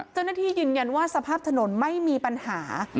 เจ้าหน้าที่ยืนยันว่าสภาพถนนไม่มีปัญหา